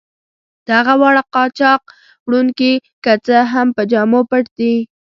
دغه واړه قاچاق وړونکي که څه هم په جامو پټ دي.